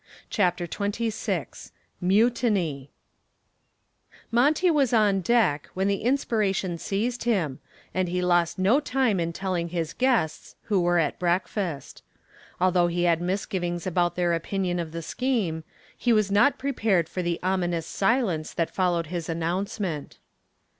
CHAPTER XXVI MUTINY Monty was on deck when the inspiration seized him, and he lost no time in telling his guests, who were at breakfast. Although he had misgivings about their opinion of the scheme, he was not prepared for the ominous silence that followed his announcement.